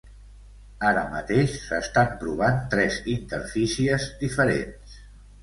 Ara mateix s’estan provant tres interfícies diferents.